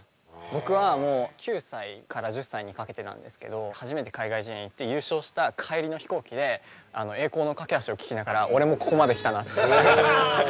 僕は９歳から１０歳にかけてなんですけど初めて海外試合に行って優勝した帰りの飛行機で「栄光の架橋」を聴きながら俺もここまで来たなっていう。